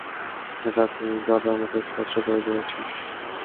সেটা তুমি জলের মতো স্পষ্ট করে দিয়েছো।